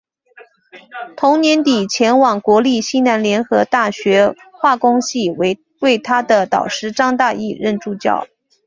同年底前往国立西南联合大学化工系为他的导师张大煜任助教。